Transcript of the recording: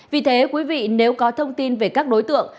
vì thế quý vị nếu có thông tin về các đối tượng